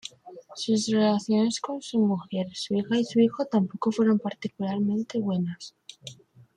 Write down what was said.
Sus relaciones con su mujer, su hija y su hijo tampoco fueron particularmente buenas.